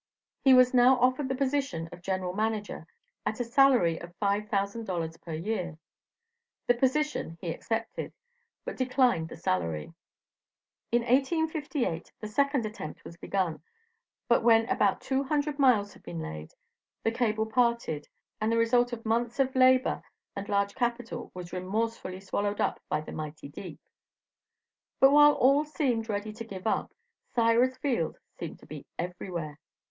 He was now offered the position of General Manager, at a salary of $5,000 per year. The position he accepted, but declined the salary. In 1858 the second attempt was begun, but when about two hundred miles had been laid, the cable parted, and the result of months of labor and large capital was remorsefully swallowed up by the mighty deep. But while all seemed ready to give up, Cyrus Field seemed to be everywhere.